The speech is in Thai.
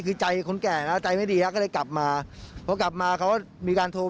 คือใจคนแก่นะใจไม่ดีแล้วก็เลยกลับมาพอกลับมาเขามีการโทร